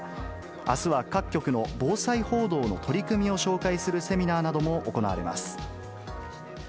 あすは各局の防災報道の取り組みを紹介するセミナーなども行われます。